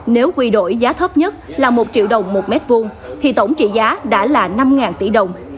nếu quy đổi giá thấp nhất là một triệu đồng một mét vuông thì tổng trị giá đã là năm tỷ đồng